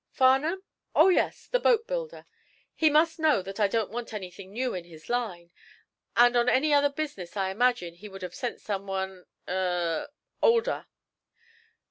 "Farnum? Oh, yes, the boat builder. He must know that I don't want anything new in his line, and on any other business I imagine he would have sent someone er older."